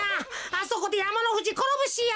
あそこでやまのふじころぶしよ。